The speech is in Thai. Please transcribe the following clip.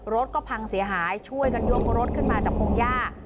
รถก็พังเสียหายช่วยกันยกรถขึ้นมาจากพงหญ้า